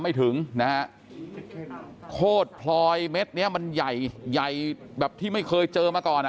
ไม่ถึงนะฮะโคตรพลอยเม็ดเนี้ยมันใหญ่ใหญ่แบบที่ไม่เคยเจอมาก่อนอ่ะ